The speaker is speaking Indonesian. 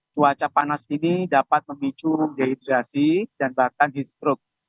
cuaca panas ini dapat memicu dehidrasi dan bahkan heat stroke